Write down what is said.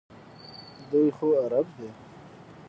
دوی خو عرب دي.